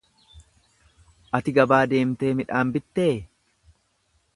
Ati gabaa deemtee midhaan bittee?